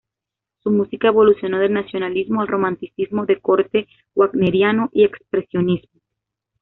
Su música evolucionó del nacionalismo al romanticismo de corte wagneriano y al expresionismo.